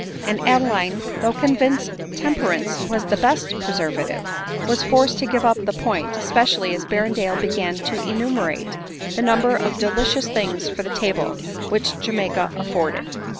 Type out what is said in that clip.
and Adeline, though convinced tem perance was the best preservative, was forced to give up the point, especially as Berrendale began to enumerate the number of delicious things for the table which Ja maica afforded.